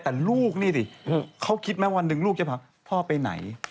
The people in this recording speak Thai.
แต่ลูกนี่ดิเขาคิดไหมวันหนึ่งลูกจะพาพ่อไปไหน